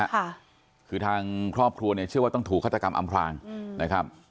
ค่ะคือทางครอบครัวเนี่ยเชื่อว่าต้องถูกฆาตกรรมอำพลางอืมนะครับ